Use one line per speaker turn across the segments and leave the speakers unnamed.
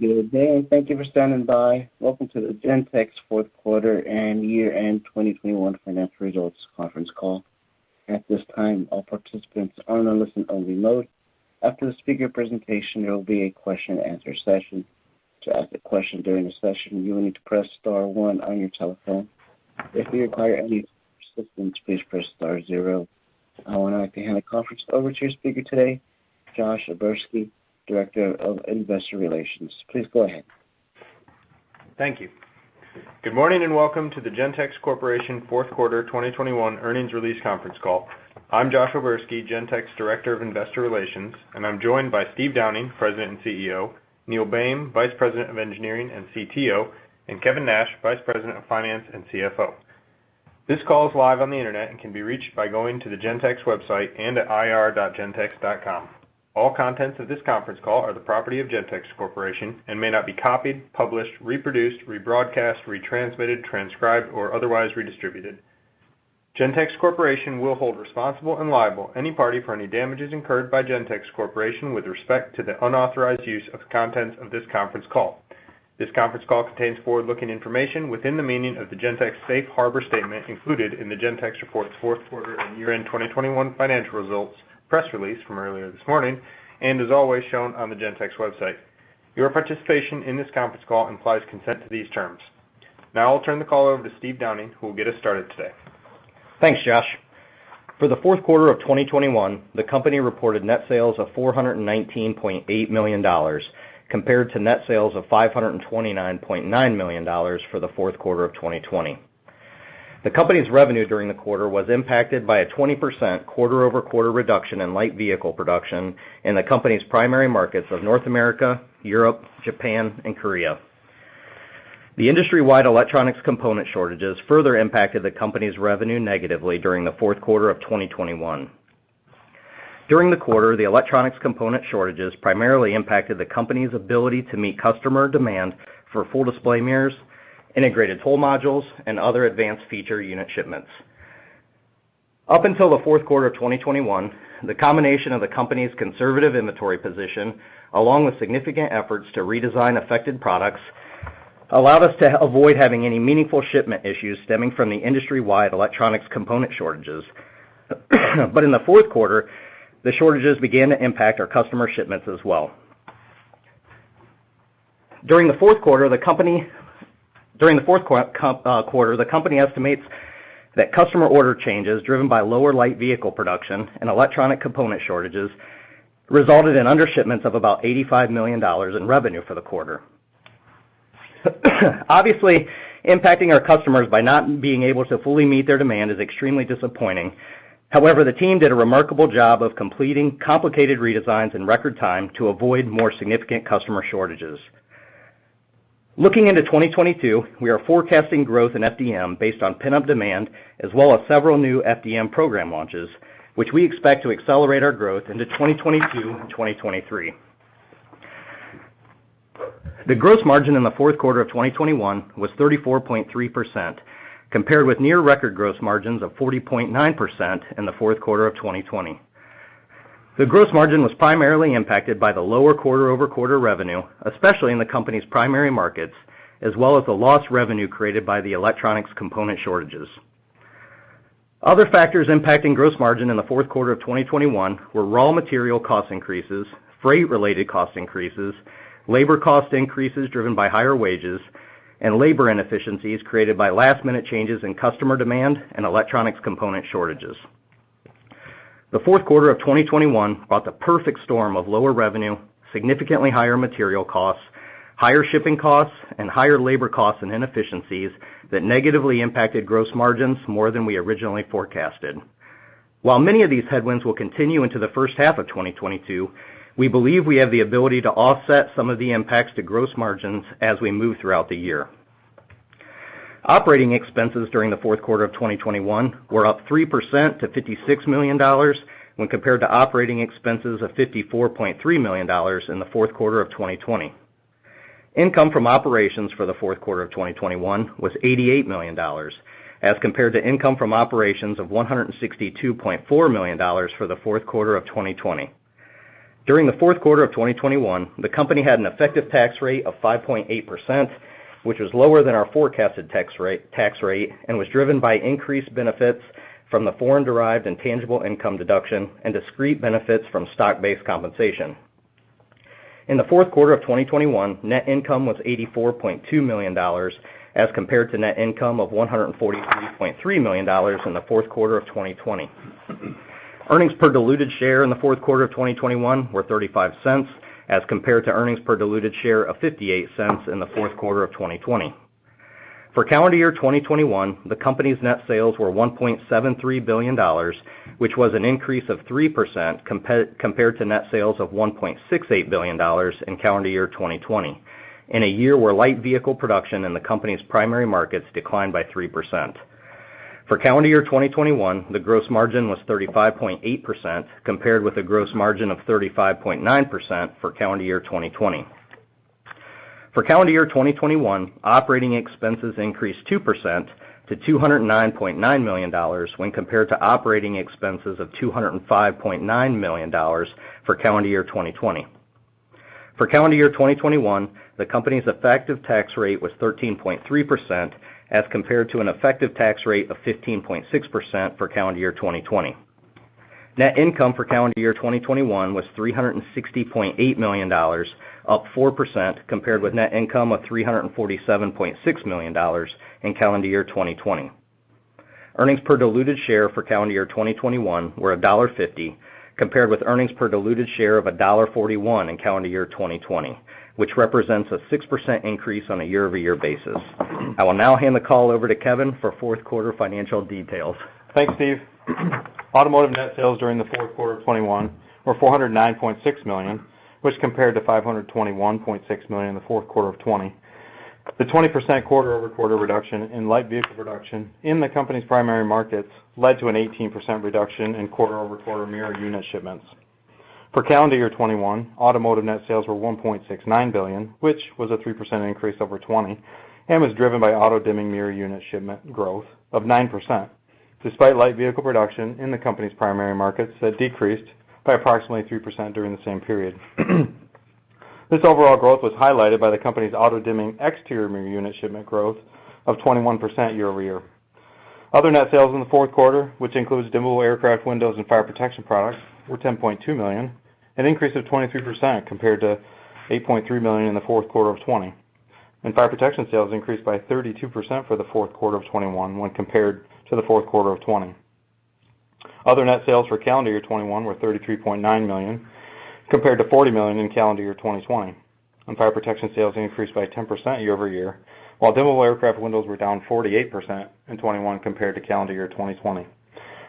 Good day. Thank you for standing by. Welcome to the Gentex fourth quarter and year-end 2021 financial results conference call. At this time, all participants are in a listen only mode. After the speaker presentation, there will be a question and answer session. To ask a question during the session, you will need to press star one on your telephone. If you require any assistance, please press star zero. I want to hand the conference over to your speaker today, Josh O'Berski, Director of Investor Relations. Please go ahead.
Thank you. Good morning, and welcome to the Gentex Corporation fourth quarter 2021 earnings release conference call. I'm Josh O'Berski, Gentex, Director of Investor Relations, and I'm joined by Steve Downing, President and CEO, Neil Boehm, Vice President of Engineering and CTO, and Kevin Nash, Vice President of Finance and CFO. This call is live on the Internet and can be reached by going to the Gentex website and at ir.gentex.com. All contents of this conference call are the property of Gentex Corporation and may not be copied, published, reproduced, rebroadcast, retransmitted, transcribed, or otherwise redistributed. Gentex Corporation will hold responsible and liable any party for any damages incurred by Gentex Corporation with respect to the unauthorized use of contents of this conference call. This conference call contains forward-looking information within the meaning of the Gentex safe harbor statement included in the Gentex report's fourth quarter and year-end 2021 financial results press release from earlier this morning, and as always, shown on the Gentex website. Your participation in this conference call implies consent to these terms. Now I'll turn the call over to Steve Downing, who will get us started today.
Thanks, Josh. For the fourth quarter of 2021, the company reported net sales of $419.8 million compared to net sales of $529.9 million for the fourth quarter of 2020. The company's revenue during the quarter was impacted by a 20% quarter-over-quarter reduction in light vehicle production in the company's primary markets of North America, Europe, Japan, and Korea. The industry-wide electronics component shortages further impacted the company's revenue negatively during the fourth quarter of 2021. During the quarter, the electronics component shortages primarily impacted the company's ability to meet customer demand for Full Display Mirrors, Integrated Toll Modules, and other advanced feature unit shipments. Up until the fourth quarter of 2021, the combination of the company's conservative inventory position, along with significant efforts to redesign affected products, allowed us to avoid having any meaningful shipment issues stemming from the industry-wide electronics component shortages. In the fourth quarter, the shortages began to impact our customer shipments as well. During the fourth quarter, the company estimates that customer order changes driven by lower light vehicle production and electronic component shortages resulted in under shipments of about $85 million in revenue for the quarter. Obviously, impacting our customers by not being able to fully meet their demand is extremely disappointing. However, the team did a remarkable job of completing complicated redesigns in record time to avoid more significant customer shortages. Looking into 2022, we are forecasting growth in FDM based on pent-up demand as well as several new FDM program launches, which we expect to accelerate our growth into 2022 and 2023. The gross margin in the fourth quarter of 2021 was 34.3% compared with near record gross margins of 40.9% in the fourth quarter of 2020. The gross margin was primarily impacted by the lower quarter-over-quarter revenue, especially in the company's primary markets, as well as the lost revenue created by the electronics component shortages. Other factors impacting gross margin in the fourth quarter of 2021 were raw material cost increases, freight-related cost increases, labor cost increases driven by higher wages, and labor inefficiencies created by last-minute changes in customer demand and electronics component shortages. The fourth quarter of 2021 brought the perfect storm of lower revenue, significantly higher material costs, higher shipping costs, and higher labor costs and inefficiencies that negatively impacted gross margins more than we originally forecasted. While many of these headwinds will continue into the first half of 2022, we believe we have the ability to offset some of the impacts to gross margins as we move throughout the year. Operating expenses during the fourth quarter of 2021 were up 3% to $56 million when compared to operating expenses of $54.3 million in the fourth quarter of 2020. Income from operations for the fourth quarter of 2021 was $88 million as compared to income from operations of $162.4 million for the fourth quarter of 2020. During the fourth quarter of 2021, the company had an effective tax rate of 5.8%, which was lower than our forecasted tax rate and was driven by increased benefits from the foreign-derived intangible income deduction and discrete benefits from stock-based compensation. In the fourth quarter of 2021, net income was $84.2 million, as compared to net income of $143.3 million in the fourth quarter of 2020. Earnings per diluted share in the fourth quarter of 2021 were $0.35, as compared to earnings per diluted share of $0.58 in the fourth quarter of 2020. For calendar year 2021, the company's net sales were $1.73 billion, which was an increase of 3% compared to net sales of $1.68 billion in calendar year 2020, in a year where light vehicle production in the company's primary markets declined by 3%. For calendar year 2021, the gross margin was 35.8% compared with a gross margin of 35.9% for calendar year 2020. For calendar year 2021, operating expenses increased 2% to $209.9 million when compared to operating expenses of $205.9 million for calendar year 2020. For calendar year 2021, the company's effective tax rate was 13.3% as compared to an effective tax rate of 15.6% for calendar year 2020. Net income for calendar year 2021 was $360.8 million, up 4% compared with net income of $347.6 million in calendar year 2020. Earnings per diluted share for calendar year 2021 were $1.50, compared with earnings per diluted share of $1.41 in calendar year 2020, which represents a 6% increase on a year-over-year basis. I will now hand the call over to Kevin for fourth quarter financial details.
Thanks, Steve. Automotive net sales during the fourth quarter of 2021 were $409.6 million, which compared to $521.6 million in the fourth quarter of 2020. The 20% quarter-over-quarter reduction in light vehicle production in the company's primary markets led to an 18% reduction in quarter-over-quarter mirror unit shipments. For calendar year 2021, automotive net sales were $1.69 billion, which was a 3% increase over 2020 and was driven by auto-dimming mirror unit shipment growth of 9%, despite light vehicle production in the company's primary markets that decreased by approximately 3% during the same period. This overall growth was highlighted by the company's auto-dimming exterior mirror unit shipment growth of 21% year-over-year. Other net sales in the fourth quarter, which includes dimmable aircraft windows and fire protection products, were $10.2 million, an increase of 23% compared to $8.3 million in the fourth quarter of 2020. Fire protection sales increased by 32% for the fourth quarter of 2021 when compared to the fourth quarter of 2020. Other net sales for calendar year 2021 were $33.9 million, compared to $40 million in calendar year 2020. Fire protection sales increased by 10% year over year, while dimmable aircraft windows were down 48% in 2021 compared to calendar year 2020.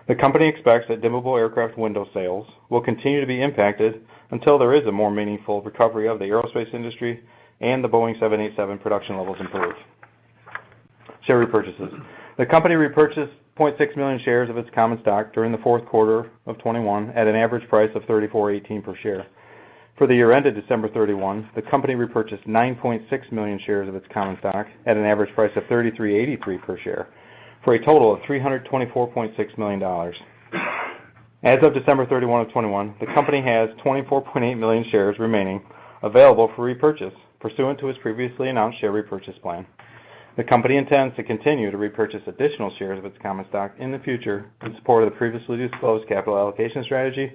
The company expects that dimmable aircraft window sales will continue to be impacted until there is a more meaningful recovery of the aerospace industry and the Boeing 787 production levels improves. Share repurchases. The company repurchased 0.6 million shares of its common stock during the fourth quarter of 2021 at an average price of $34.18 per share. For the year ended December 31, the company repurchased 9.6 million shares of its common stock at an average price of $33.83 per share for a total of $324.6 million. As of December 31, 2021, the company has 24.8 million shares remaining available for repurchase pursuant to its previously announced share repurchase plan. The company intends to continue to repurchase additional shares of its common stock in the future in support of the previously disclosed capital allocation strategy,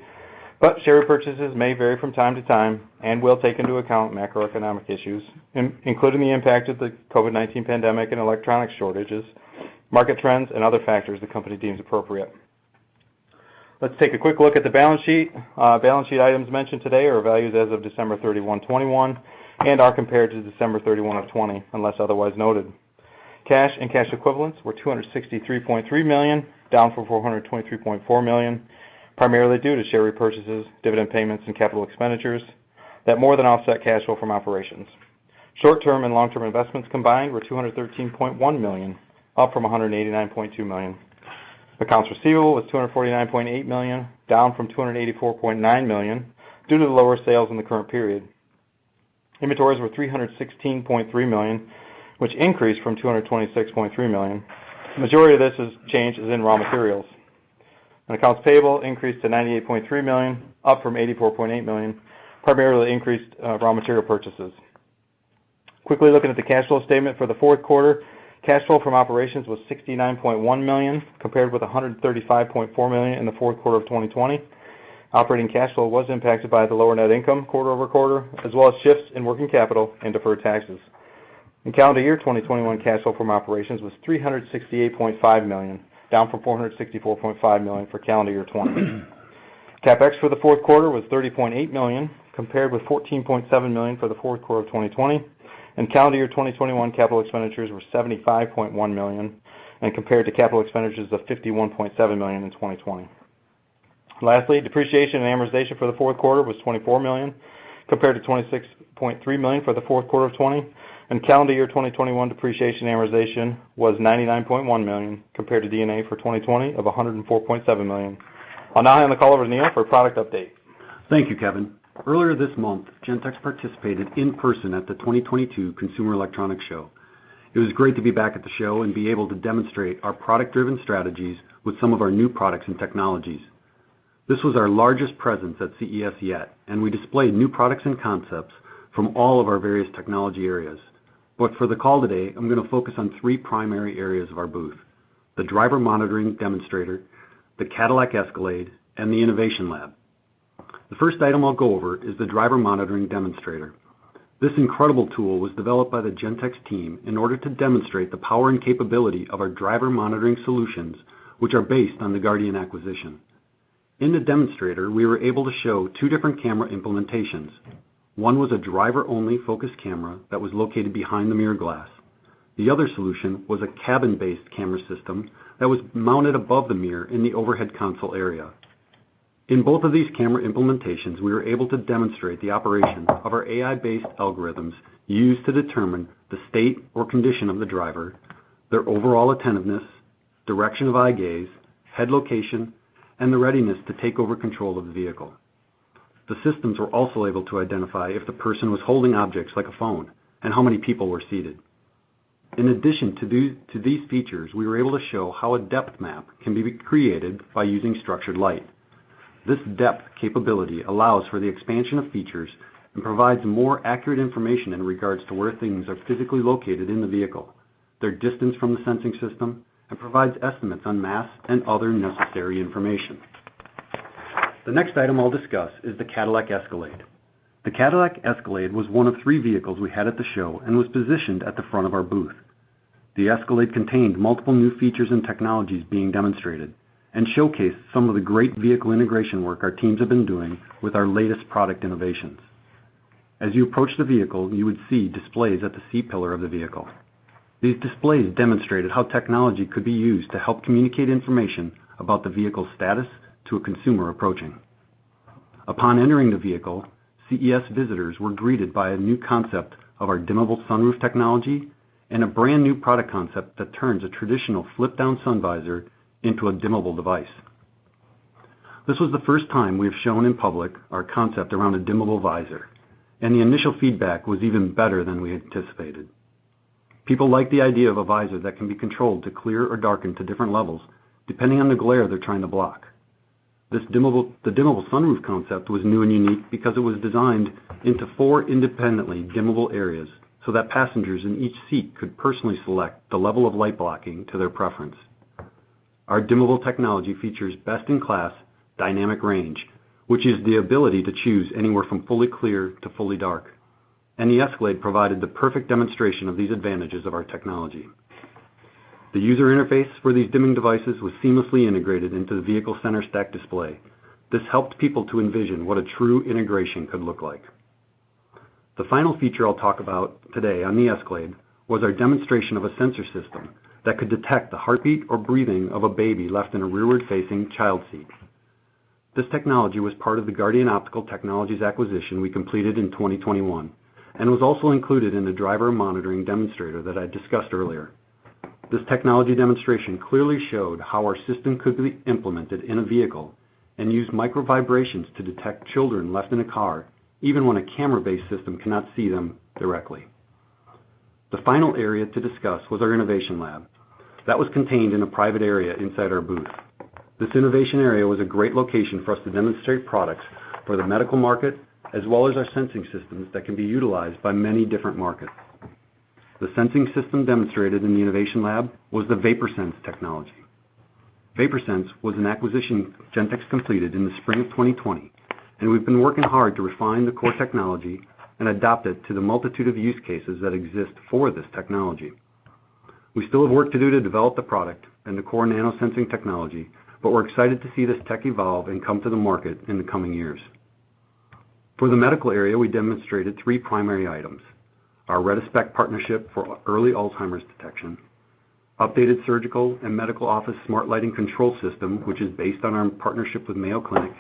but share repurchases may vary from time to time and will take into account macroeconomic issues, including the impact of the COVID-19 pandemic and electronic shortages, market trends, and other factors the company deems appropriate. Let's take a quick look at the balance sheet. Balance sheet items mentioned today are valued as of December 31, 2021 and are compared to December 31, 2020, unless otherwise noted. Cash and cash equivalents were $263.3 million, down from $423.4 million, primarily due to share repurchases, dividend payments, and capital expenditures that more than offset cash flow from operations. Short-term and long-term investments combined were $213.1 million, up from $189.2 million. Accounts receivable was $249.8 million, down from $284.9 million due to the lower sales in the current period. Inventories were $316.3 million, which increased from $226.3 million. The majority of this change is in raw materials. Accounts payable increased to $98.3 million, up from $84.8 million, primarily due to increased raw material purchases. Quickly looking at the cash flow statement. For the fourth quarter, cash flow from operations was $69.1 million, compared with $135.4 million in the fourth quarter of 2020. Operating cash flow was impacted by the lower net income quarter-over-quarter, as well as shifts in working capital and deferred taxes. In calendar year 2021, cash flow from operations was $368.5 million, down from $464.5 million for calendar year 2020. CapEx for the fourth quarter was $30.8 million, compared with $14.7 million for the fourth quarter of 2020. In calendar year 2021, capital expenditures were $75.1 million and compared to capital expenditures of $51.7 million in 2020. Lastly, depreciation and amortization for the fourth quarter was $24 million, compared to $26.3 million for the fourth quarter of 2020. In calendar year 2021, depreciation and amortization was $99.1 million compared to D&A for 2020 of $104.7 million. I'll now hand the call over to Neil for a product update.
Thank you, Kevin. Earlier this month, Gentex participated in person at the 2022 Consumer Electronics Show. It was great to be back at the show and be able to demonstrate our product-driven strategies with some of our new products and technologies. This was our largest presence at CES yet, and we displayed new products and concepts from all of our various technology areas. For the call today, I'm gonna focus on three primary areas of our booth: the driver monitoring demonstrator, the Cadillac Escalade, and the innovation lab. The first item I'll go over is the driver monitoring demonstrator. This incredible tool was developed by the Gentex team in order to demonstrate the power and capability of our driver monitoring solutions, which are based on the Guardian acquisition. In the demonstrator, we were able to show two different camera implementations. One was a driver-only focused camera that was located behind the mirror glass. The other solution was a cabin-based camera system that was mounted above the mirror in the overhead console area. In both of these camera implementations, we were able to demonstrate the operation of our AI-based algorithms used to determine the state or condition of the driver, their overall attentiveness, direction of eye gaze, head location, and the readiness to take over control of the vehicle. The systems were also able to identify if the person was holding objects like a phone, and how many people were seated. In addition to these features, we were able to show how a depth map can be created by using structured light. This depth capability allows for the expansion of features and provides more accurate information in regards to where things are physically located in the vehicle, their distance from the sensing system, and provides estimates on mass and other necessary information. The next item I'll discuss is the Cadillac Escalade. The Cadillac Escalade was one of three vehicles we had at the show and was positioned at the front of our booth. The Escalade contained multiple new features and technologies being demonstrated and showcased some of the great vehicle integration work our teams have been doing with our latest product innovations. As you approach the vehicle, you would see displays at the C pillar of the vehicle. These displays demonstrated how technology could be used to help communicate information about the vehicle status to a consumer approaching. Upon entering the vehicle, CES visitors were greeted by a new concept of our dimmable sunroof technology and a brand-new product concept that turns a traditional flip-down sun visor into a dimmable device. This was the first time we have shown in public our concept around a dimmable visor, and the initial feedback was even better than we anticipated. People like the idea of a visor that can be controlled to clear or darken to different levels depending on the glare they're trying to block. This dimmable sunroof concept was new and unique because it was designed into four independently dimmable areas, so that passengers in each seat could personally select the level of light blocking to their preference. Our dimmable technology features best-in-class dynamic range, which is the ability to choose anywhere from fully clear to fully dark, and the Escalade provided the perfect demonstration of these advantages of our technology. The user interface for these dimming devices was seamlessly integrated into the vehicle center stack display. This helped people to envision what a true integration could look like. The final feature I'll talk about today on the Escalade was our demonstration of a sensor system that could detect the heartbeat or breathing of a baby left in a rearward-facing child seat. This technology was part of the Guardian Optical Technologies acquisition we completed in 2021, and was also included in the driver monitoring demonstrator that I discussed earlier. This technology demonstration clearly showed how our system could be implemented in a vehicle and use micro vibrations to detect children left in a car, even when a camera-based system cannot see them directly. The final area to discuss was our innovation lab. That was contained in a private area inside our booth. This innovation area was a great location for us to demonstrate products for the medical market, as well as our sensing systems that can be utilized by many different markets. The sensing system demonstrated in the innovation lab was the Vaporsens technology. Vaporsens was an acquisition Gentex completed in the spring of 2020, and we've been working hard to refine the core technology and adapt it to the multitude of use cases that exist for this technology. We still have work to do to develop the product and the core nano-sensing technology, but we're excited to see this tech evolve and come to the market in the coming years. For the medical area, we demonstrated three primary items, our RetiSpec partnership for early Alzheimer's detection, updated surgical and medical office smart lighting control system, which is based on our partnership with Mayo Clinic,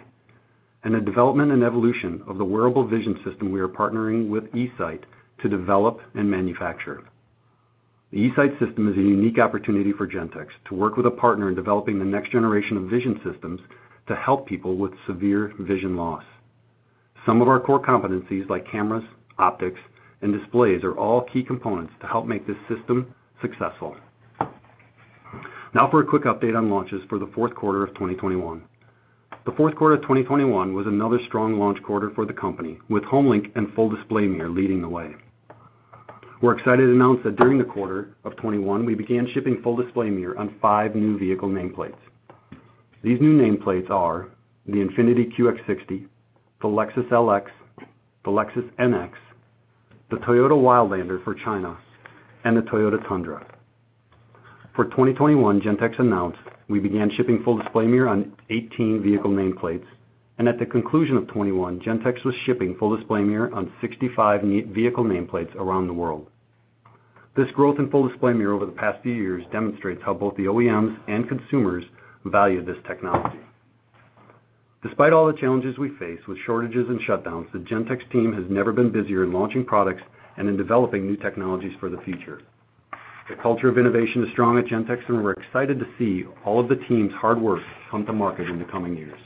and a development and evolution of the wearable vision system we are partnering with eSight to develop and manufacture. The eSight system is a unique opportunity for Gentex to work with a partner in developing the next generation of vision systems to help people with severe vision loss. Some of our core competencies like cameras, optics, and displays are all key components to help make this system successful. Now for a quick update on launches for the fourth quarter of 2021. The fourth quarter of 2021 was another strong launch quarter for the company, with HomeLink and Full Display Mirror leading the way. We're excited to announce that during the quarter of 2021, we began shipping Full Display Mirror on five new vehicle nameplates. These new nameplates are the INFINITI QX60, the Lexus LX, the Lexus NX, the Toyota Wildlander for China, and the Toyota Tundra. For 2021, Gentex announced we began shipping Full Display Mirror on 18 vehicle nameplates. At the conclusion of 2021, Gentex was shipping Full Display Mirror on 65 vehicle nameplates around the world. This growth in Full Display Mirror over the past few years demonstrates how both the OEMs and consumers value this technology. Despite all the challenges we face with shortages and shutdowns, the Gentex team has never been busier in launching products and in developing new technologies for the future. The culture of innovation is strong at Gentex, and we're excited to see all of the team's hard work come to market in the coming years.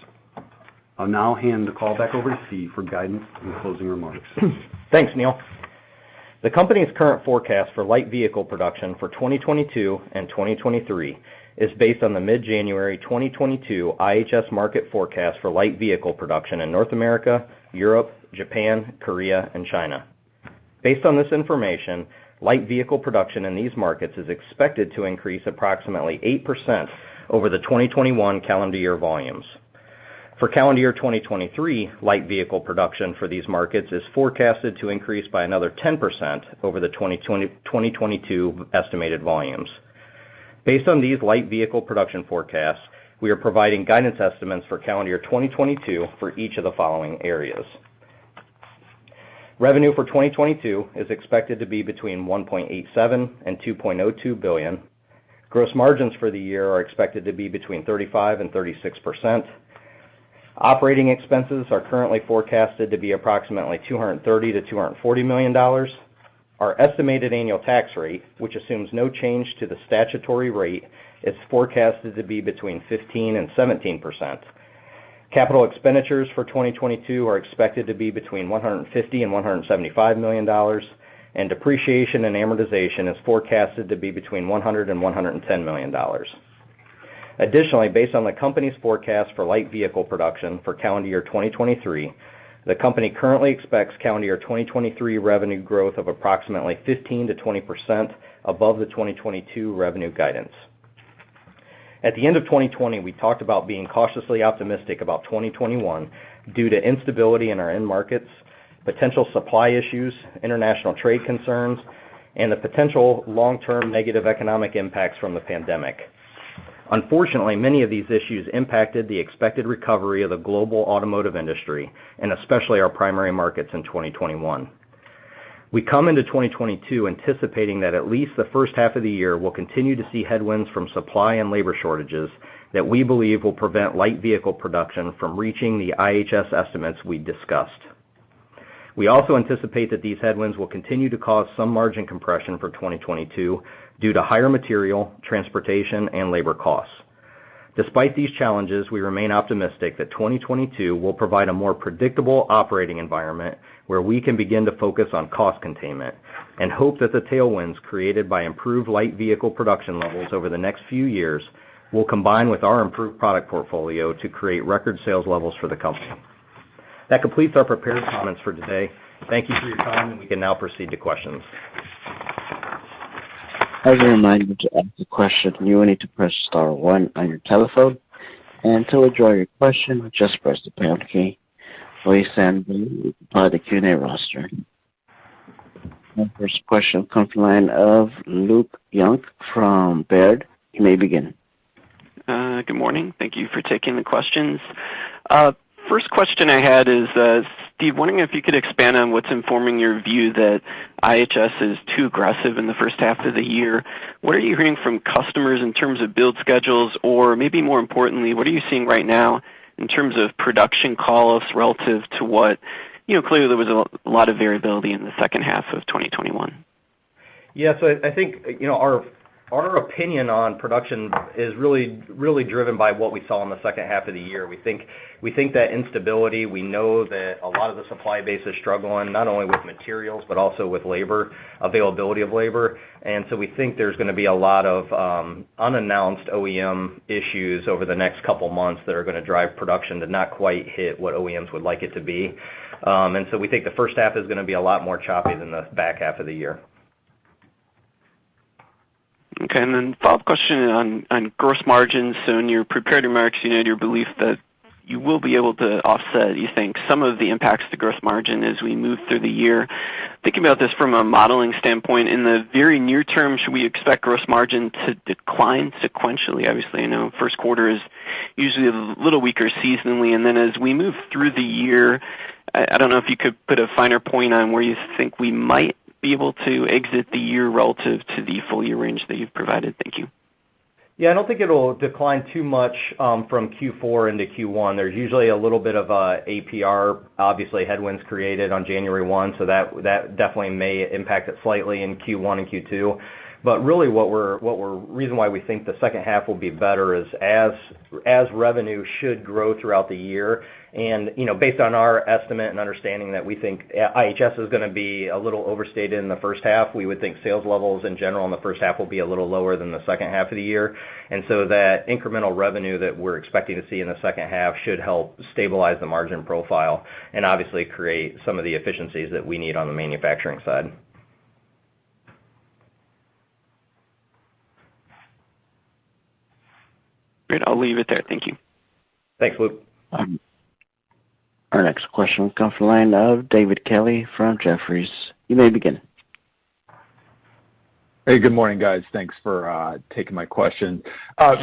I'll now hand the call back over to Steve for guidance and closing remarks.
Thanks, Neil. The company's current forecast for light vehicle production for 2022 and 2023 is based on the mid-January 2022 IHS Markit forecast for light vehicle production in North America, Europe, Japan, Korea, and China. Based on this information, light vehicle production in these markets is expected to increase approximately 8% over the 2021 calendar year volumes. For calendar year 2023, light vehicle production for these markets is forecasted to increase by another 10% over the 2022 estimated volumes. Based on these light vehicle production forecasts, we are providing guidance estimates for calendar year 2022 for each of the following areas. Revenue for 2022 is expected to be between $1.87 billion and $2.02 billion. Gross margins for the year are expected to be between 35%-36%. Operating expenses are currently forecasted to be approximately $230 million-$240 million. Our estimated annual tax rate, which assumes no change to the statutory rate, is forecasted to be between 15%-17%. Capital expenditures for 2022 are expected to be between $150 million-$175 million, and depreciation and amortization is forecasted to be between $100 million-$110 million. Additionally, based on the company's forecast for light vehicle production for calendar year 2023, the company currently expects calendar year 2023 revenue growth of approximately 15%-20% above the 2022 revenue guidance. At the end of 2020, we talked about being cautiously optimistic about 2021 due to instability in our end markets, potential supply issues, international trade concerns, and the potential long-term negative economic impacts from the pandemic. Unfortunately, many of these issues impacted the expected recovery of the global automotive industry, and especially our primary markets in 2021. We come into 2022 anticipating that at least the first half of the year will continue to see headwinds from supply and labor shortages that we believe will prevent light vehicle production from reaching the IHS estimates we discussed. We also anticipate that these headwinds will continue to cause some margin compression for 2022 due to higher material, transportation, and labor costs. Despite these challenges, we remain optimistic that 2022 will provide a more predictable operating environment, where we can begin to focus on cost containment and hope that the tailwinds created by improved light vehicle production levels over the next few years will combine with our improved product portfolio to create record sales levels for the company. That completes our prepared comments for today. Thank you for your time, and we can now proceed to questions.
As a reminder, to ask a question, you will need to press star one on your telephone, and to withdraw your question, just press the pound key. Our first question comes from the line of Luke Junk from Baird. You may begin.
Good morning. Thank you for taking the questions. First question I had is, Steve, wondering if you could expand on what's informing your view that IHS is too aggressive in the first half of the year. What are you hearing from customers in terms of build schedules? Or maybe more importantly, what are you seeing right now in terms of production call-offs relative to what you know, clearly there was a lot of variability in the second half of 2021.
Yeah. I think you know our opinion on production is really driven by what we saw in the second half of the year. We think that instability, we know that a lot of the supply base is struggling, not only with materials, but also with labor, availability of labor. We think there's gonna be a lot of unannounced OEM issues over the next couple months that are gonna drive production to not quite hit what OEMs would like it to be. We think the first half is gonna be a lot more choppy than the back half of the year.
Okay. Follow-up question on gross margins. In your prepared remarks, you noted your belief that you will be able to offset, you think, some of the impacts to gross margin as we move through the year. Thinking about this from a modeling standpoint, in the very near term, should we expect gross margin to decline sequentially? Obviously, I know first quarter is usually a little weaker seasonally. As we move through the year, I don't know if you could put a finer point on where you think we might be able to exit the year relative to the full year range that you've provided. Thank you.
Yeah, I don't think it'll decline too much from Q4 into Q1. There's usually a little bit of APR, obviously, headwinds created on January one, so that definitely may impact it slightly in Q1 and Q2. Really, the reason why we think the second half will be better is as revenue should grow throughout the year, and you know, based on our estimate and understanding that we think IHS is gonna be a little overstated in the first half, we would think sales levels in general in the first half will be a little lower than the second half of the year. That incremental revenue that we're expecting to see in the second half should help stabilize the margin profile and obviously create some of the efficiencies that we need on the manufacturing side.
Great. I'll leave it there. Thank you.
Thanks, Luke.
Our next question will come from the line of David Kelley from Jefferies. You may begin.
Hey, good morning, guys. Thanks for taking my question.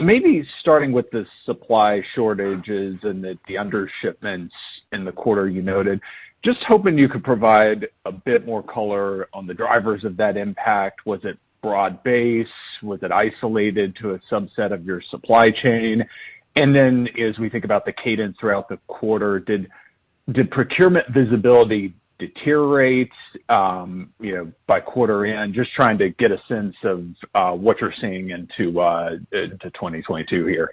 Maybe starting with the supply shortages and the undershipments in the quarter you noted, just hoping you could provide a bit more color on the drivers of that impact. Was it broad base? Was it isolated to a subset of your supply chain? Then as we think about the cadence throughout the quarter, did procurement visibility deteriorate, you know, by quarter end? Just trying to get a sense of what you're seeing into to 2022 here.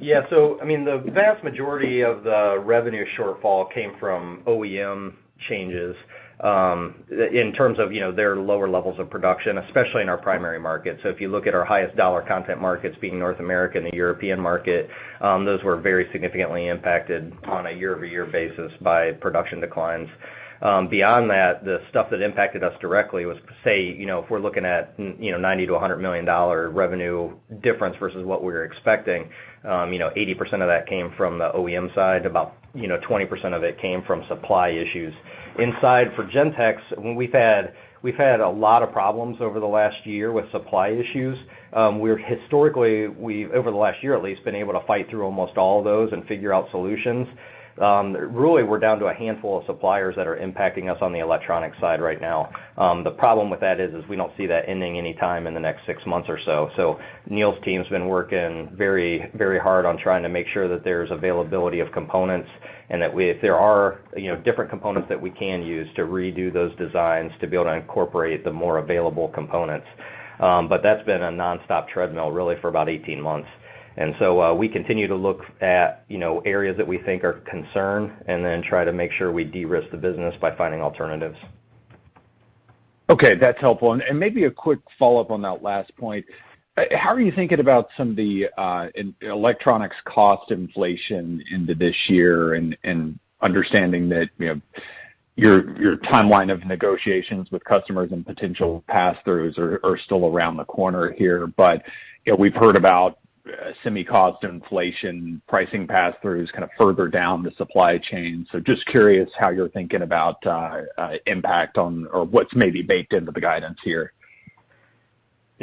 I mean, the vast majority of the revenue shortfall came from OEM changes, in terms of, you know, their lower levels of production, especially in our primary market. If you look at our highest dollar content markets, being North America and the European market, those were very significantly impacted on a year-over-year basis by production declines. Beyond that, the stuff that impacted us directly was, say, you know, if we're looking at, you know, $90 million-$100 million revenue difference versus what we were expecting, you know, 80% of that came from the OEM side, about, you know, 20% of it came from supply issues. Inside for Gentex, we've had a lot of problems over the last year with supply issues. We're historically, over the last year at least, been able to fight through almost all of those and figure out solutions. Really, we're down to a handful of suppliers that are impacting us on the electronic side right now. The problem with that is we don't see that ending any time in the next six months or so. Neil's team's been working very, very hard on trying to make sure that there's availability of components and that we, if there are, you know, different components that we can use to redo those designs to be able to incorporate the more available components. But that's been a nonstop treadmill really for about 18 months. We continue to look at, you know, areas that we think are a concern, and then try to make sure we de-risk the business by finding alternatives.
Okay, that's helpful. Maybe a quick follow-up on that last point. How are you thinking about some of the in electronics cost inflation into this year and understanding that you know your timeline of negotiations with customers and potential passthroughs are still around the corner here. You know, we've heard about semi cost inflation, pricing passthroughs kind of further down the supply chain. Just curious how you're thinking about impact on or what's maybe baked into the guidance here.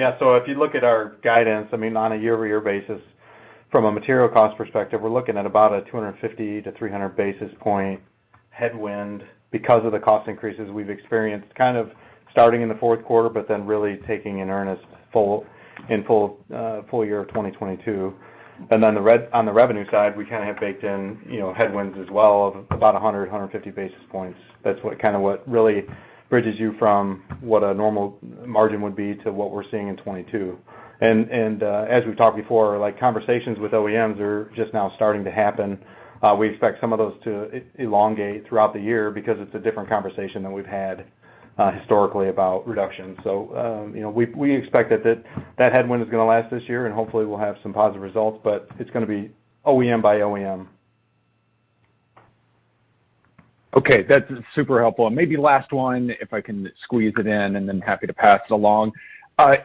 If you look at our guidance, I mean, on a year-over-year basis from a material cost perspective, we're looking at about a 250-300 basis point headwind because of the cost increases we've experienced kind of starting in the fourth quarter, but then really taking in earnest in full year of 2022. On the revenue side, we kind of have baked in, you know, headwinds as well of about a 100-150 basis points. That's what kind of what really bridges you from what a normal margin would be to what we're seeing in 2022. As we've talked before, like, conversations with OEMs are just now starting to happen. We expect some of those to elongate throughout the year because it's a different conversation than we've had historically about reduction. You know, we expect that headwind is gonna last this year, and hopefully we'll have some positive results, but it's gonna be OEM by OEM.
Okay, that's super helpful. Maybe last one, if I can squeeze it in, and then happy to pass it along.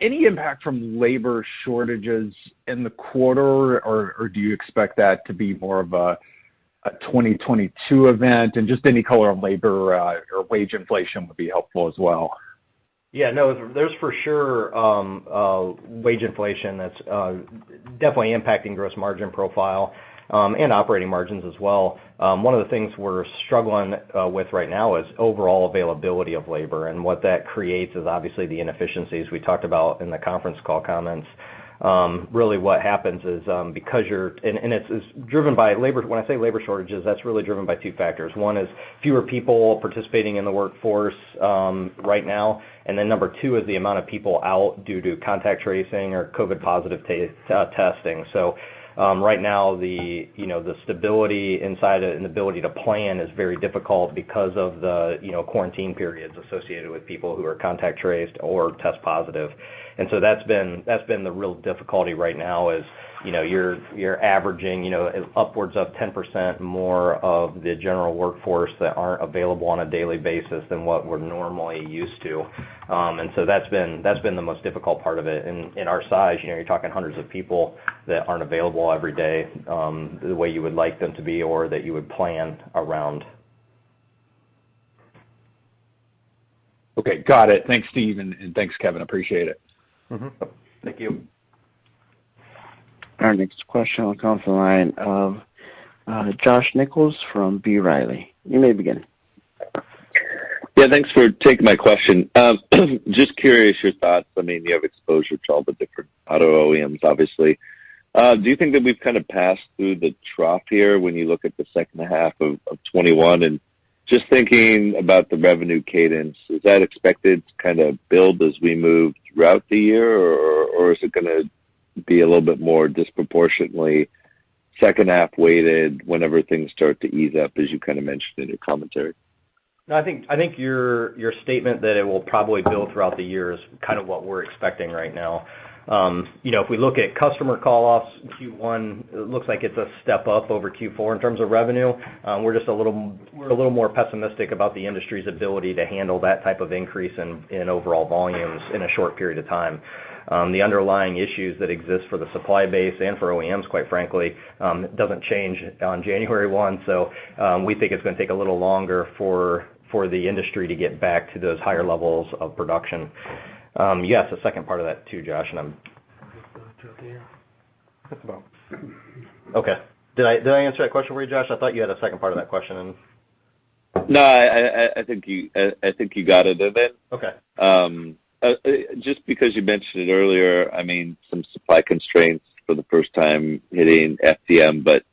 Any impact from labor shortages in the quarter, or do you expect that to be more of a 2022 event? Just any color on labor or wage inflation would be helpful as well.
Yeah, no, there's for sure wage inflation that's definitely impacting gross margin profile and operating margins as well. One of the things we're struggling with right now is overall availability of labor. What that creates is obviously the inefficiencies we talked about in the conference call comments. Really, what happens is it's driven by labor. When I say labor shortages, that's really driven by two factors. One is fewer people participating in the workforce right now, and then number two is the amount of people out due to contact tracing or COVID positive testing. Right now, you know, the stability inside and ability to plan is very difficult because of the, you know, quarantine periods associated with people who are contact traced or test positive. That's been the real difficulty right now is, you know, you're averaging, you know, upwards of 10% more of the general workforce that aren't available on a daily basis than what we're normally used to. That's been the most difficult part of it. In our size, you know, you're talking hundreds of people that aren't available every day, the way you would like them to be or that you would plan around.
Okay. Got it. Thanks, Steve, and thanks, Kevin. Appreciate it.
Mm-hmm.
Thank you.
Our next question will come from the line of Josh Nichols from B. Riley. You may begin.
Yeah, thanks for taking my question. Just curious your thoughts. I mean, you have exposure to all the different auto OEMs, obviously. Do you think that we've kind of passed through the trough here when you look at the second half of 2021? Just thinking about the revenue cadence, is that expected to kind of build as we move throughout the year, or is it gonna be a little bit more disproportionately second half weighted whenever things start to ease up, as you kind of mentioned in your commentary?
No, I think your statement that it will probably build throughout the year is kind of what we're expecting right now. You know, if we look at customer call-offs, Q1 looks like it's a step up over Q4 in terms of revenue. We're just a little more pessimistic about the industry's ability to handle that type of increase in overall volumes in a short period of time. The underlying issues that exist for the supply base and for OEMs, quite frankly, doesn't change on January one. We think it's gonna take a little longer for the industry to get back to those higher levels of production. Yes, the second part of that too, Josh, and I'm-
That's about.
Okay. Did I answer that question for you, Josh? I thought you had a second part of that question in.
No, I think you got it then.
Okay.
Just because you mentioned it earlier, I mean, some supply constraints for the first time hitting FDM, but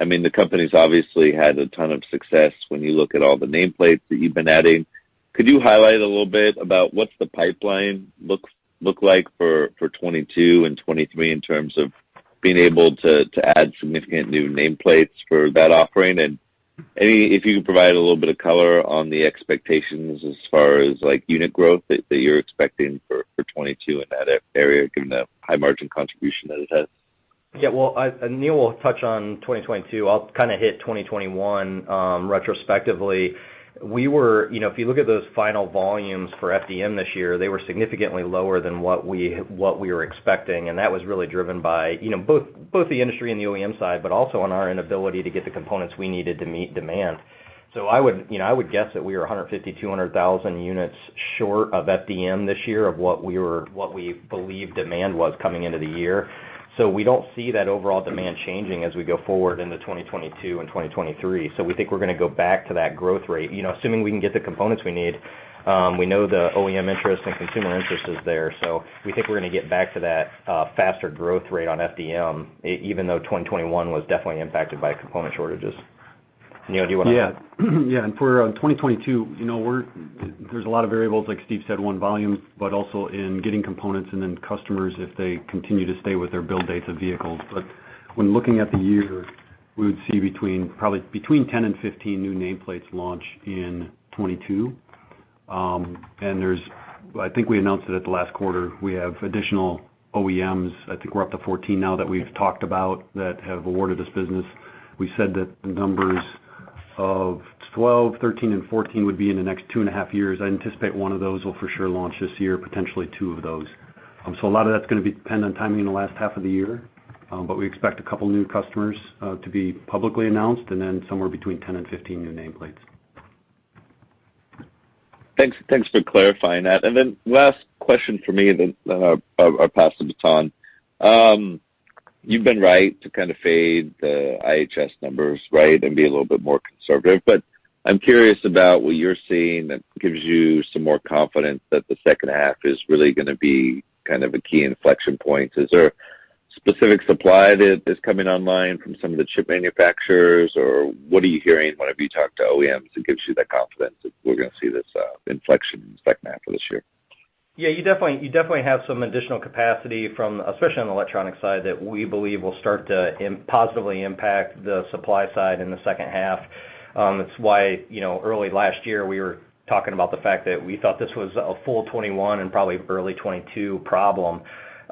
I mean, the company's obviously had a ton of success when you look at all the nameplates that you've been adding. Could you highlight a little bit about what's the pipeline look like for 2022 and 2023 in terms of being able to add significant new nameplates for that offering? If you could provide a little bit of color on the expectations as far as, like, unit growth that you're expecting for 2022 in that area, given the high margin contribution that it has.
Yeah. Well, Neil will touch on 2022. I'll kind of hit 2021 retrospectively. You know, if you look at those final volumes for FDM this year, they were significantly lower than what we were expecting, and that was really driven by, you know, both the industry and the OEM side, but also our inability to get the components we needed to meet demand. I would, you know, I would guess that we are 150,000-200,000 units short of FDM this year of what we believed demand was coming into the year. We don't see that overall demand changing as we go forward into 2022 and 2023. We think we're gonna go back to that growth rate. You know, assuming we can get the components we need, we know the OEM interest and consumer interest is there. We think we're gonna get back to that faster growth rate on FDM even though 2021 was definitely impacted by component shortages. Neil, do you wanna-
Yeah. Yeah, and for 2022, you know, there's a lot of variables, like Steve said, one volume, but also in getting components and then customers if they continue to stay with their build dates of vehicles. When looking at the year, we would see between, probably between 10 and 15 new nameplates launch in 2022. And I think we announced it at the last quarter, we have additional OEMs, I think we're up to 14 now that we've talked about that have awarded this business. We said that the numbers of 12, 13, and 14 would be in the next two and a half years. I anticipate one of those will for sure launch this year, potentially two of those. A lot of that's gonna be dependent on timing in the last half of the year, but we expect a couple new customers to be publicly announced and then somewhere between 10 and 15 new nameplates.
Thanks for clarifying that. Last question for me, then I'll pass the baton. You've been right to kind of fade the IHS numbers, right, and be a little bit more conservative. I'm curious about what you're seeing that gives you some more confidence that the second half is really gonna be kind of a key inflection point. Is there specific supply that is coming online from some of the chip manufacturers? Or what are you hearing whenever you talk to OEMs that gives you that confidence that we're gonna see this inflection in the second half of this year?
Yeah, you definitely have some additional capacity from, especially on the electronic side, that we believe will start to positively impact the supply side in the second half. It's why, you know, early last year we were talking about the fact that we thought this was a full 2021 and probably early 2022 problem.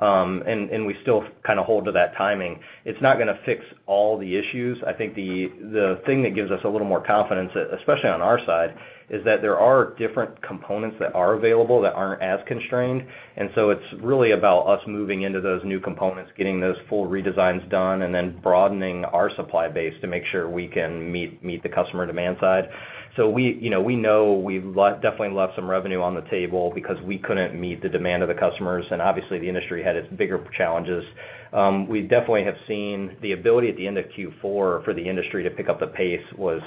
We still kind of hold to that timing. It's not gonna fix all the issues. I think the thing that gives us a little more confidence, especially on our side, is that there are different components that are available that aren't as constrained. It's really about us moving into those new components, getting those full redesigns done, and then broadening our supply base to make sure we can meet the customer demand side. We, you know, we know we've definitely left some revenue on the table because we couldn't meet the demand of the customers, and obviously the industry had its bigger challenges. We definitely have seen the ability at the end of Q4 for the industry to pick up the pace was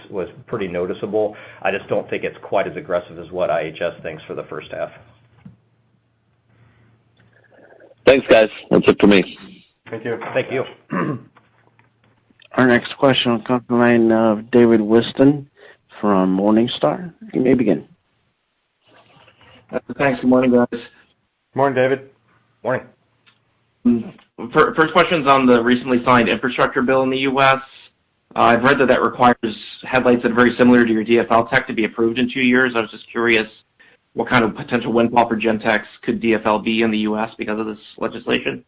pretty noticeable. I just don't think it's quite as aggressive as what IHS thinks for the first half.
Thanks, guys. That's it for me.
Thank you.
Thank you.
Our next question will come from the line of David Whiston from Morningstar. You may begin.
Thanks. Good morning, guys.
Morning, David.
Morning.
First question's on the recently signed infrastructure bill in the U.S. I've heard that that requires headlights that are very similar to your ADB tech to be approved in two years. I was just curious what kind of potential windfall for Gentex could ADB be in the U.S. because of this legislation?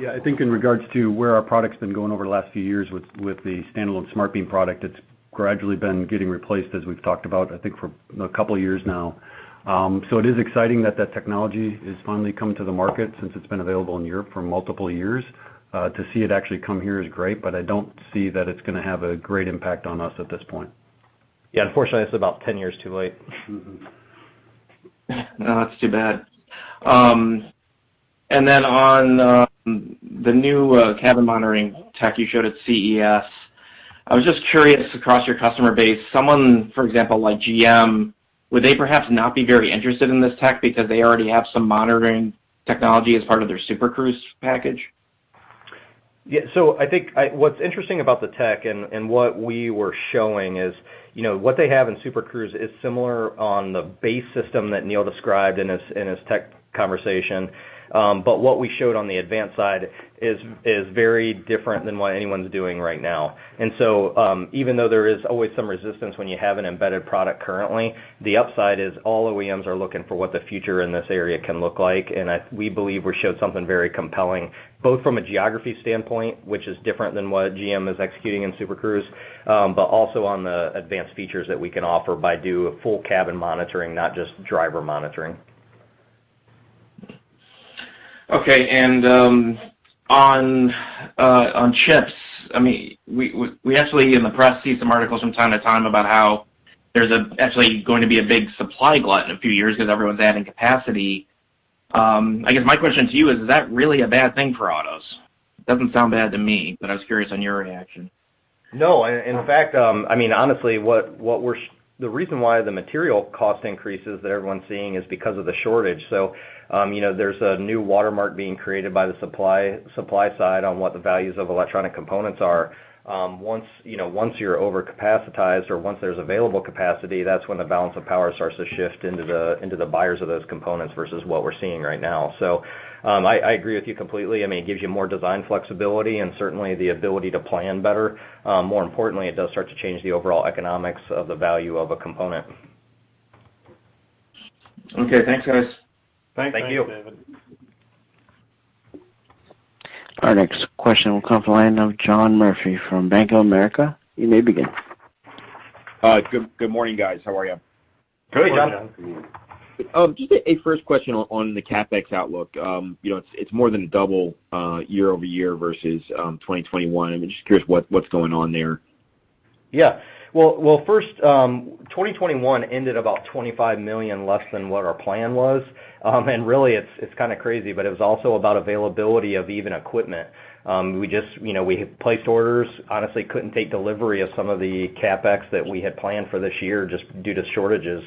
Yeah, I think in regards to where our product's been going over the last few years with the standalone SmartBeam product, it's gradually been getting replaced, as we've talked about, I think for a couple of years now. It is exciting that that technology is finally coming to the market since it's been available in Europe for multiple years. To see it actually come here is great, but I don't see that it's gonna have a great impact on us at this point.
Yeah, unfortunately it's about 10 years too late.
Mm-hmm.
No, that's too bad. On the new cabin monitoring tech you showed at CES, I was just curious across your customer base, someone, for example, like GM, would they perhaps not be very interested in this tech because they already have some monitoring technology as part of their Super Cruise package?
Yeah, so I think what's interesting about the tech and what we were showing is, you know, what they have in Super Cruise is similar on the base system that Neil described in his tech conversation. But what we showed on the advanced side is very different than what anyone's doing right now. Even though there is always some resistance when you have an embedded product currently, the upside is all OEMs are looking for what the future in this area can look like. We believe we showed something very compelling, both from a geography standpoint, which is different than what GM is executing in Super Cruise, but also on the advanced features that we can offer by doing a full cabin monitoring, not just driver monitoring.
On chips, I mean, we actually see in the press some articles from time to time about how there's actually going to be a big supply glut in a few years because everyone's adding capacity. I guess my question to you is that really a bad thing for autos? Doesn't sound bad to me, but I was curious on your reaction.
No. In fact, I mean, honestly, the reason why the material cost increases that everyone's seeing is because of the shortage. There's a new watermark being created by the supply side on what the values of electronic components are. Once you're overcapacitated or once there's available capacity, that's when the balance of power starts to shift into the buyers of those components versus what we're seeing right now. I agree with you completely. I mean, it gives you more design flexibility and certainly the ability to plan better. More importantly, it does start to change the overall economics of the value of a component.
Okay. Thanks, guys.
Thank you.
Thanks. Thank you, David.
Our next question will come from the line of John Murphy from Bank of America. You may begin.
Good morning, guys. How are you?
Good.
Good morning.
Just a first question on the CapEx outlook. You know, it's more than double year-over-year versus 2021. I'm just curious what's going on there.
Yeah. Well, first, 2021 ended about $25 million less than what our plan was. And really, it's kind of crazy, but it was also about availability of even equipment. We just, you know, we had placed orders, honestly couldn't take delivery of some of the CapEx that we had planned for this year just due to shortages.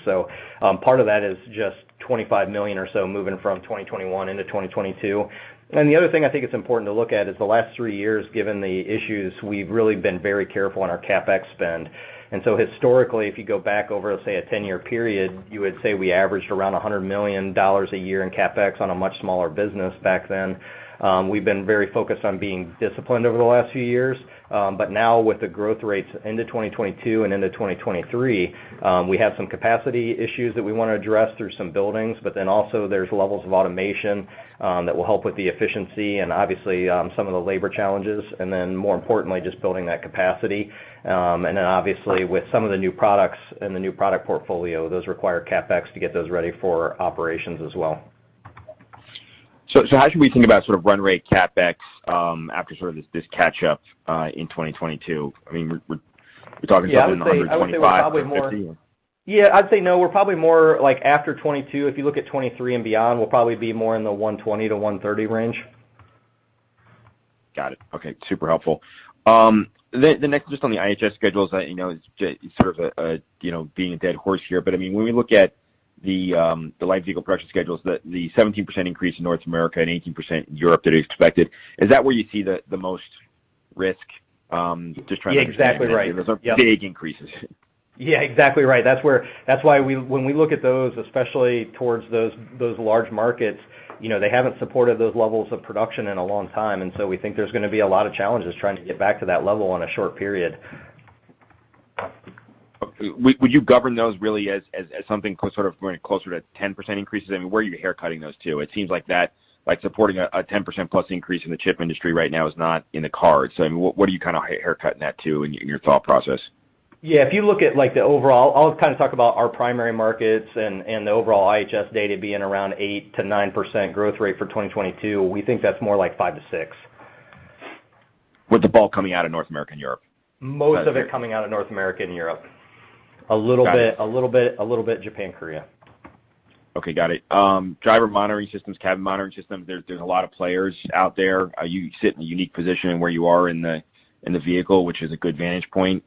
Part of that is just $25 million or so moving from 2021 into 2022. The other thing I think it's important to look at is the last three years, given the issues, we've really been very careful on our CapEx spend. Historically, if you go back over, let's say, a 10-year period, you would say we averaged around $100 million a year in CapEx on a much smaller business back then. We've been very focused on being disciplined over the last few years. Now with the growth rates into 2022 and into 2023, we have some capacity issues that we wanna address through some buildings, but then also there's levels of automation that will help with the efficiency and obviously some of the labor challenges, and then more importantly, just building that capacity. Obviously with some of the new products and the new product portfolio, those require CapEx to get those ready for operations as well.
How should we think about sort of run rate CapEx after sort of this catch up in 2022? I mean, we're talking probably in the $125-$150?
I'd say no, we're probably more like after 2022, if you look at 2023 and beyond, we'll probably be more in the 120-130 range.
Got it. Okay. Super helpful. The next just on the IHS schedules that you know is just sort of a you know beating a dead horse here, but I mean, when we look at the light vehicle production schedules, the 17% increase in North America and 18% in Europe that are expected, is that where you see the most risk? Just trying to understand-
Yeah. Exactly right.
Those are big increases.
Yeah. Exactly right. That's why, when we look at those, especially towards those large markets, you know, they haven't supported those levels of production in a long time. We think there's gonna be a lot of challenges trying to get back to that level in a short period.
Okay. Would you govern those really as something sort of going closer to 10% increases? I mean, where are you haircutting those to? It seems like that, like supporting a 10% plus increase in the chip industry right now is not in the cards. I mean, what are you kind of haircutting that to in your thought process?
Yeah. If you look at like the overall, I'll kind of talk about our primary markets and the overall IHS data being around 8%-9% growth rate for 2022. We think that's more like 5%-6%.
With the bulk coming out of North America and Europe?
Most of it coming out of North America and Europe.
Got it.
A little bit Japan, Korea.
Okay. Got it. Driver monitoring systems, cabin monitoring systems, there's a lot of players out there. You sit in a unique position in where you are in the vehicle, which is a good vantage point.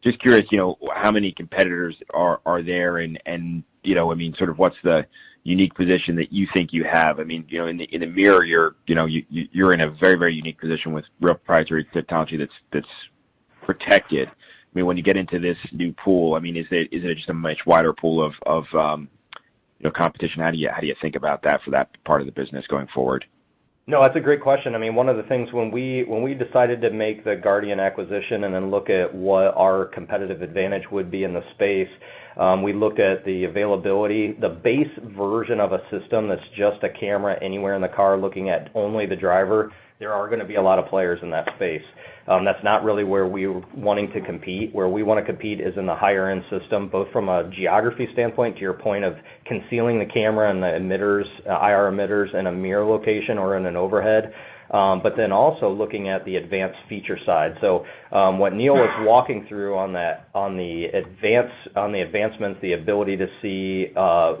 Just curious, you know, how many competitors are there and, you know, I mean, sort of what's the unique position that you think you have? I mean, you know, in the mirror you're, you know, in a very unique position with real proprietary technology that's protected. I mean, when you get into this new pool, I mean, is it just a much wider pool of, you know, competition? How do you think about that for that part of the business going forward?
No, that's a great question. I mean, one of the things when we decided to make the Guardian acquisition and then look at what our competitive advantage would be in the space, we looked at the availability. The base version of a system that's just a camera anywhere in the car looking at only the driver, there are gonna be a lot of players in that space. That's not really where we were wanting to compete. Where we wanna compete is in the higher end system, both from a geography standpoint, to your point of concealing the camera and the emitters, IR emitters in a mirror location or in an overhead, also looking at the advanced feature side. What Neil was walking through on that, on the advancements, the ability to see,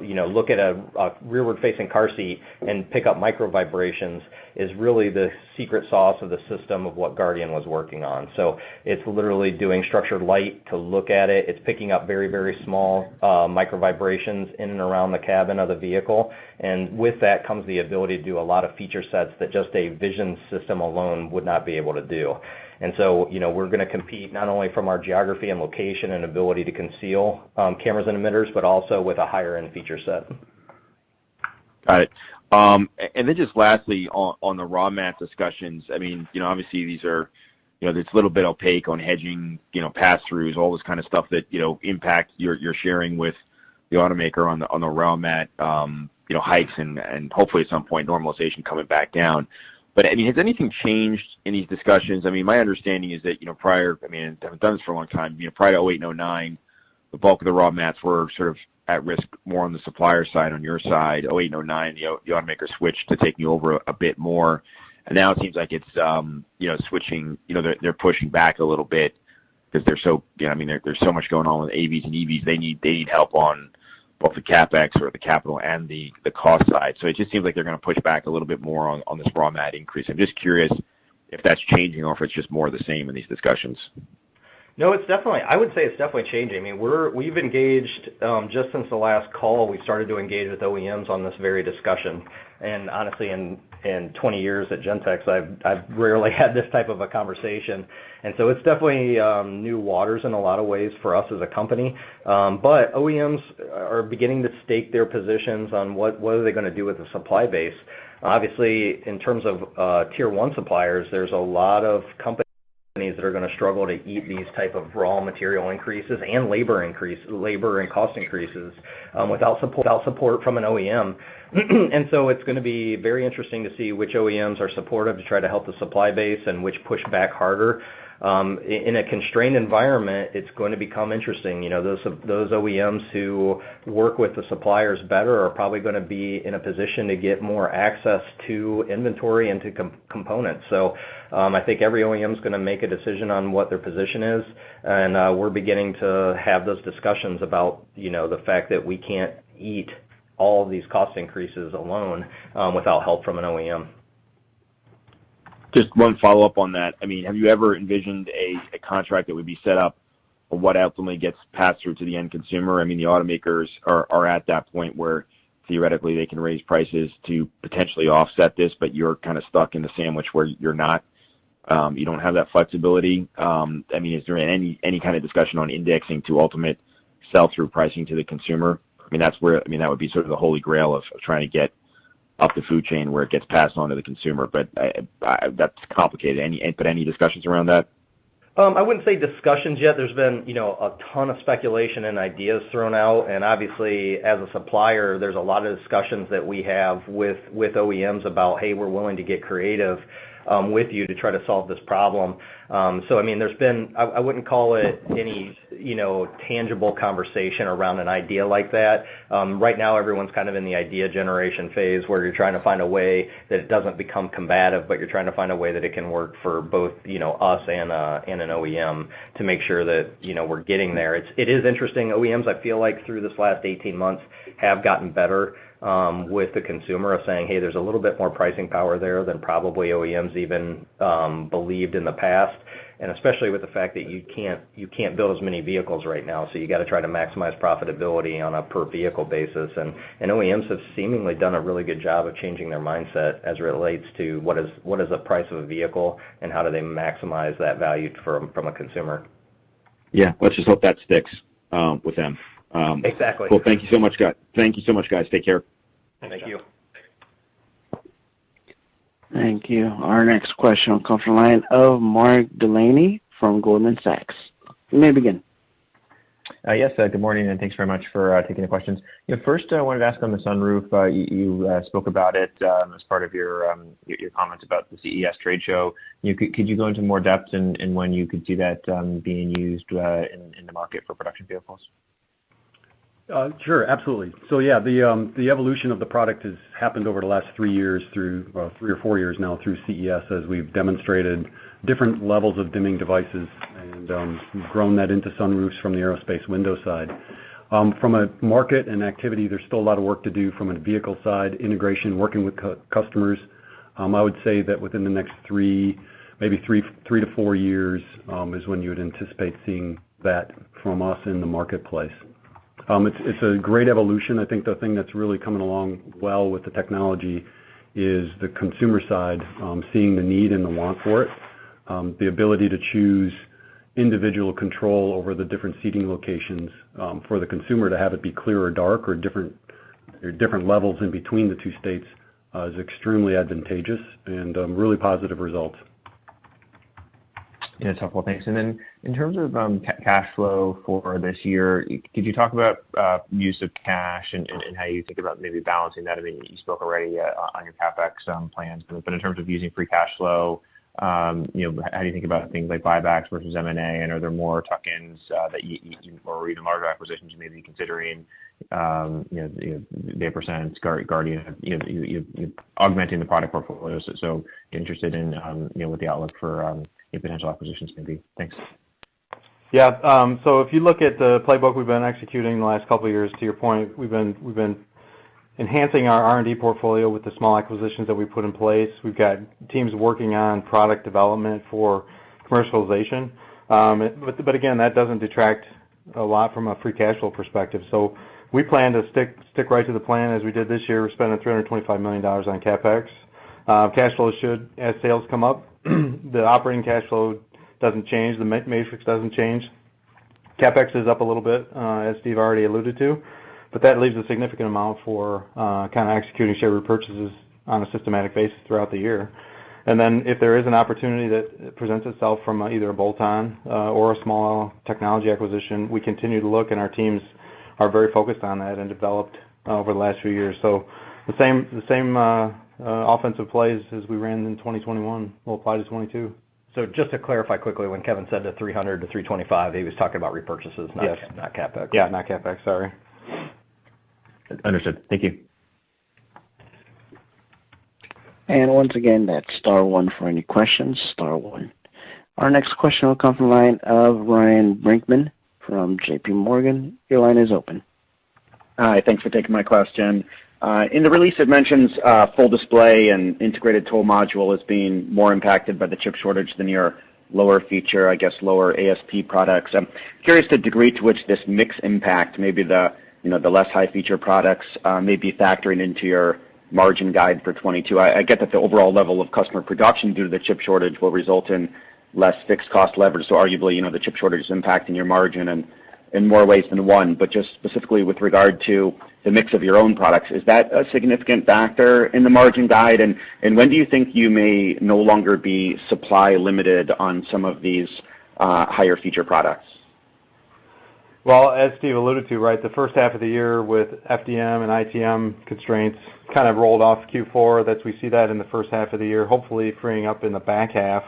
you know, look at a rearward-facing car seat and pick up micro vibrations is really the secret sauce of the system of what Guardian was working on. It's literally doing structured light to look at it. It's picking up very, very small micro vibrations in and around the cabin of the vehicle. With that comes the ability to do a lot of feature sets that just a vision system alone would not be able to do. You know, we're gonna compete not only from our geography and location and ability to conceal cameras and emitters, but also with a higher-end feature set.
Got it. Then just lastly on the raw mat discussions, I mean, you know, obviously these are, you know, it's a little bit opaque on hedging, you know, pass-throughs, all this kind of stuff that, you know, impact you're sharing with the automaker on the raw mat, you know, hikes and hopefully at some point normalization coming back down. I mean, has anything changed in these discussions? I mean, my understanding is that, you know, prior, I mean, I haven't done this for a long time, you know, prior to 2008 and 2009, the bulk of the raw mats were sort of at risk more on the supplier side, on your side. 2008 and 2009, the automaker switched to taking over a bit more. Now it seems like it's, you know, switching. You know, they're pushing back a little bit because they're so. You know what I mean? There's so much going on with AVs and EVs. They need help on both the CapEx or the capital and the cost side. It just seems like they're gonna push back a little bit more on this raw mat increase. I'm just curious if that's changing or if it's just more of the same in these discussions.
No, it's definitely. I would say it's definitely changing. I mean, we've engaged just since the last call, we started to engage with OEMs on this very discussion. Honestly, in 20 years at Gentex, I've rarely had this type of a conversation. It's definitely new waters in a lot of ways for us as a company. OEMs are beginning to stake their positions on what are they gonna do with the supply base. Obviously, in terms of tier one suppliers, there's a lot of companies that are gonna struggle to eat these type of raw material increases and labor and cost increases without support from an OEM. It's gonna be very interesting to see which OEMs are supportive to try to help the supply base and which push back harder. In a constrained environment, it's going to become interesting. You know, those OEMs who work with the suppliers better are probably gonna be in a position to get more access to inventory and to components. I think every OEM's gonna make a decision on what their position is, and we're beginning to have those discussions about, you know, the fact that we can't eat all these cost increases alone without help from an OEM.
Just one follow-up on that. I mean, have you ever envisioned a contract that would be set up for what ultimately gets passed through to the end consumer? I mean, the automakers are at that point where theoretically they can raise prices to potentially offset this, but you're kind of stuck in the sandwich where you don't have that flexibility. I mean, is there any kind of discussion on indexing to ultimate sell-through pricing to the consumer? I mean, that's where I mean that would be sort of the holy grail of trying to get up the food chain where it gets passed on to the consumer. That's complicated. Any discussions around that?
I wouldn't say discussions yet. There's been, you know, a ton of speculation and ideas thrown out, and obviously, as a supplier, there's a lot of discussions that we have with OEMs about, hey, we're willing to get creative with you to try to solve this problem. So I mean, there's been I wouldn't call it any, you know, tangible conversation around an idea like that. Right now everyone's kind of in the idea generation phase, where you're trying to find a way that it doesn't become combative, but you're trying to find a way that it can work for both, you know, us and an OEM to make sure that, you know, we're getting there. It is interesting. OEMs, I feel like through this last 18 months, have gotten better with consumers, saying, "Hey, there's a little bit more pricing power there than probably OEMs even believed in the past." Especially with the fact that you can't build as many vehicles right now, so you gotta try to maximize profitability on a per vehicle basis. OEMs have seemingly done a really good job of changing their mindset as it relates to what is the price of a vehicle and how do they maximize that value from a consumer.
Yeah. Let's just hope that sticks with them.
Exactly.
Well, thank you so much, guy. Thank you so much, guys. Take care.
Thank you.
Thank you. Our next question will come from the line of Mark Delaney from Goldman Sachs. You may begin.
Yes, good morning, and thanks very much for taking the questions. You know, first, I wanted to ask on the sunroof. You spoke about it as part of your comments about the CES trade show. Could you go into more depth in when you could see that being used in the market for production vehicles?
Sure. Absolutely. Yeah, the evolution of the product has happened over the last three years through, well, three or four years now through CES, as we've demonstrated different levels of dimming devices and we've grown that into sunroofs from the aerospace window side. From a market and activity, there's still a lot of work to do from a vehicle side integration, working with customers. I would say that within the next three to four years is when you would anticipate seeing that from us in the marketplace. It's a great evolution. I think the thing that's really coming along well with the technology is the consumer side, seeing the need and the want for it. The ability to choose individual control over the different seating locations for the consumer to have it be clear or dark or different levels in between the two states is extremely advantageous and really positive results.
Yeah, it's helpful. Thanks. In terms of cash flow for this year, could you talk about use of cash and how you think about maybe balancing that? I mean, you spoke already on your CapEx plans, but in terms of using free cash flow, you know, how do you think about things like buybacks versus M&A? Are there more tuck-ins that you are or even larger acquisitions you may be considering, you know, like Guardian, you know, you augmenting the product portfolios. Interested in you know what the outlook for your potential acquisitions may be. Thanks.
Yeah. If you look at the playbook we've been executing the last couple of years, to your point, we've been enhancing our R&D portfolio with the small acquisitions that we put in place. We've got teams working on product development for commercialization. Again, that doesn't detract a lot from a free cash flow perspective. We plan to stick right to the plan as we did this year. We're spending $325 million on CapEx. As sales come up, the operating cash flow doesn't change, the margin matrix doesn't change. CapEx is up a little bit, as Steve already alluded to, but that leaves a significant amount for kind of executing share repurchases on a systematic basis throughout the year. Then if there is an opportunity that presents itself from either a bolt-on, or a small technology acquisition, we continue to look, and our teams are very focused on that and developed over the last few years. The same offensive plays as we ran in 2021 will apply to 2022.
Just to clarify quickly, when Kevin said the $300-$325, he was talking about repurchases.
Yes.
not CapEx.
Yeah.
Not CapEx. Sorry.
Understood. Thank you.
Once again, that's star one for any questions, star one. Our next question will come from the line of Ryan Brinkman from J.P. Morgan. Your line is open.
Hi. Thanks for taking my question. In the release, it mentions full display and Integrated Toll Module as being more impacted by the chip shortage than your lower feature, I guess, lower ASP products. I'm curious the degree to which this mix impact maybe the, you know, the less high feature products may be factoring into your margin guide for 2022. I get that the overall level of customer production due to the chip shortage will result in less fixed cost leverage. So arguably, you know, the chip shortage is impacting your margin in more ways than one. But just specifically with regard to the mix of your own products, is that a significant factor in the margin guide? And when do you think you may no longer be supply limited on some of these higher feature products?
Well, as Steve alluded to, right, the first half of the year with FDM and ITM constraints kind of rolled off Q4 that we see in the first half of the year, hopefully freeing up in the back half.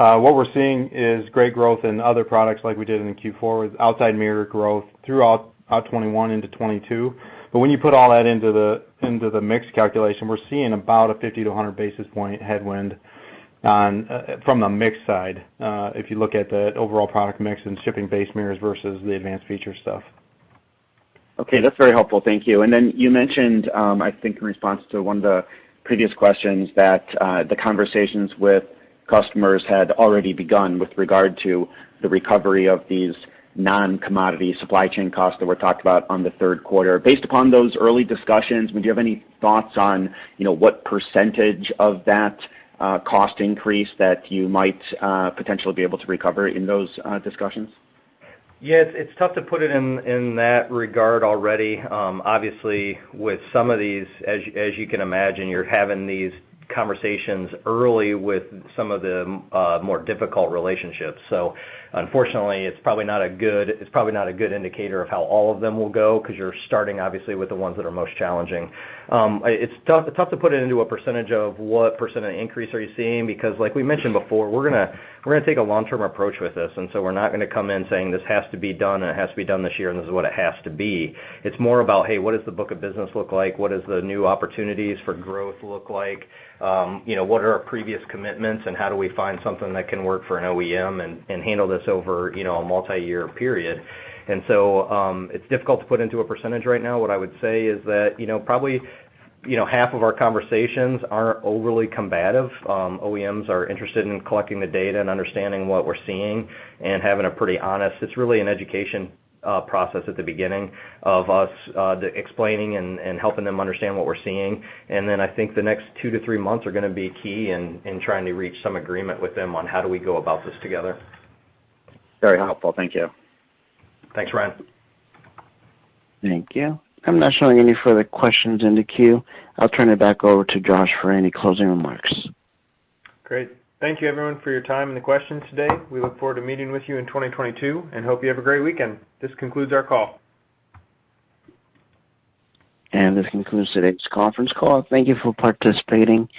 What we're seeing is great growth in other products like we did in Q4 with outside mirror growth throughout 2021 into 2022. When you put all that into the mix calculation, we're seeing about a 50-100 basis point headwind from the mix side if you look at the overall product mix and shipping base mirrors versus the advanced feature stuff.
Okay, that's very helpful. Thank you. You mentioned, I think in response to one of the previous questions that the conversations with customers had already begun with regard to the recovery of these non-commodity supply chain costs that were talked about on the third quarter. Based upon those early discussions, would you have any thoughts on, you know, what percentage of that cost increase that you might potentially be able to recover in those discussions?
Yes. It's tough to put it in that regard already. Obviously, with some of these, as you can imagine, you're having these conversations early with some of the more difficult relationships. Unfortunately, it's probably not a good indicator of how all of them will go 'cause you're starting obviously with the ones that are most challenging. It's tough to put it into a percentage of what percent of increase are you seeing because, like we mentioned before, we're gonna take a long-term approach with this, and so we're not gonna come in saying, "This has to be done, and it has to be done this year, and this is what it has to be." It's more about, hey, what does the book of business look like? What is the new opportunities for growth look like? You know, what are our previous commitments, and how do we find something that can work for an OEM and handle this over, you know, a multiyear period? It's difficult to put into a percentage right now. What I would say is that, you know, probably, you know, half of our conversations aren't overly combative. OEMs are interested in collecting the data and understanding what we're seeing and having a pretty honest. It's really an education process at the beginning of us explaining and helping them understand what we're seeing. Then I think the next two to three months are gonna be key in trying to reach some agreement with them on how do we go about this together.
Very helpful. Thank you.
Thanks, Ryan.
Thank you. I'm not showing any further questions in the queue. I'll turn it back over to Josh for any closing remarks.
Great. Thank you everyone for your time and the questions today. We look forward to meeting with you in 2022, and hope you have a great weekend. This concludes our call.
This concludes today's conference call. Thank you for participating.